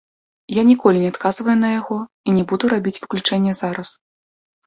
Я ніколі не адказваю на яго і не буду рабіць выключэнне зараз.